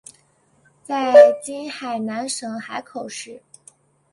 在今海南省海口市。